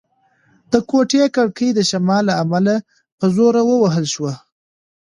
د کوټې کړکۍ د شمال له امله په زوره ووهل شوه.